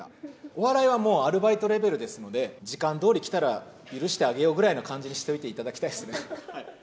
お笑いはもうアルバイトレベルですので、時間どおり来たら、許してあげようくらいの感じにしておいていただきたいですね。